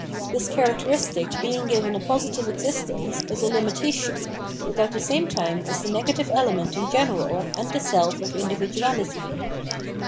This characteristic being given a positive existence, is a limitation, but at the same time is the negative element in general and the self of individuahty.